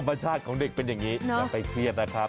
ธรรมชาติของเด็กเป็นอย่างนี้อย่าไปเครียดนะครับ